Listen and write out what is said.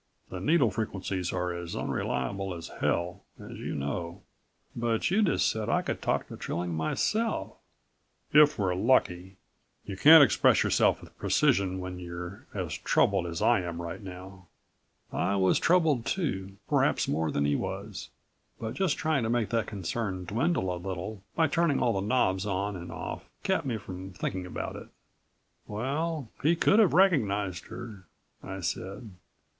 The needle frequencies are as unreliable as hell, as you know." "But you just said I could talk to Trilling myself " "If we're lucky. You can't express yourself with precision when you're as troubled as I am right now." I was troubled too ... perhaps more than he was. But just trying to make that concern dwindle a little by turning all the knobs on and off kept me from thinking about it. "Well ... he could have recognized her," I said.